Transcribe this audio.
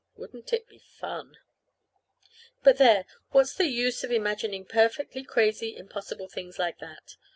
Wouldn't it be fun? But, there! What's the use of imagining perfectly crazy, impossible things like that?